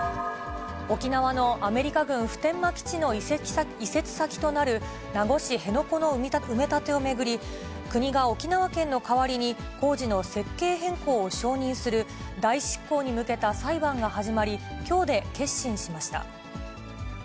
沖縄のアメリカ軍普天間基地の移設先となる、名護市辺野古の埋め立てを巡り、国が沖縄県の代わりに工事の設計変更を承認する代執行に向けた裁判が始まり、きょうで結審しました。